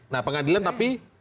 nah pengadilan tapi di belakang